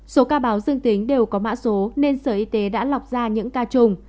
số ca báo dương tính đều có mã số nên sở y tế đã lọc ra những ca trùm